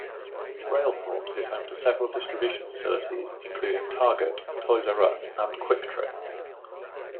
Railport is home to several distribution facilities including Target, Toys "R" Us, and QuikTrip.